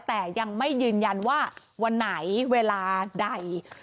แต่ยังไม่ยืนยันว่าวันไหนเวลาใด